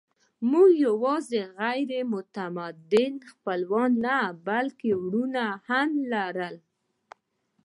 موږ یواځې غیر متمدن خپلوان نه، بلکې وروڼه هم لرل.